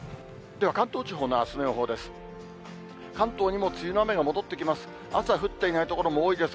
では関東地方のあすの予報です。